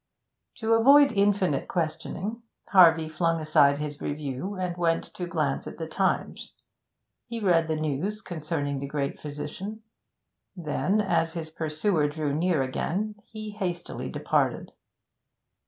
To avoid infinite questioning, Harvey flung aside his review and went to glance at the Times. He read the news concerning the great physician. Then, as his pursuer drew near again, he hastily departed.